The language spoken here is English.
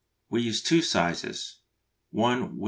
We use two sizes, one with